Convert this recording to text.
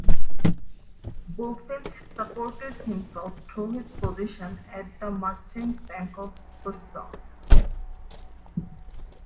Bulfinch supported himself through his position at the Merchants' Bank of Boston.